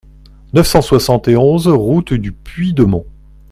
neuf cent soixante et onze route du Puy de Mont